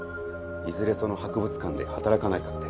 いずれその博物館で働かないかって。